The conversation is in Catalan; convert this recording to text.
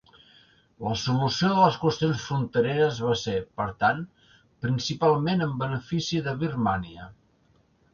La solució de les qüestions frontereres va ser, per tant, principalment en benefici de Birmània.